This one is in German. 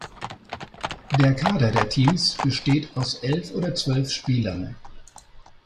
Der Kader der Teams besteht aus elf oder zwölf Spielern.